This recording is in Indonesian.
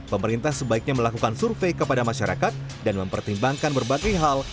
pemerintah sebaiknya melakukan survei kepada masyarakat dan mempertimbangkan berbagai hal